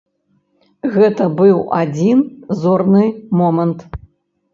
Гэта быў адзін зорны момант.